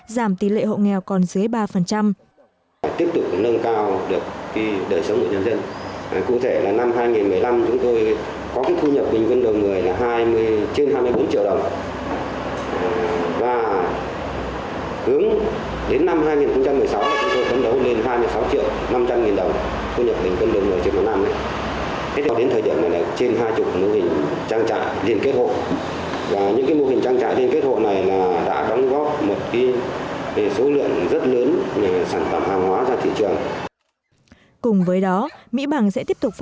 giảm tỷ lệ hộ nghèo còn dếp